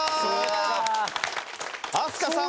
飛鳥さん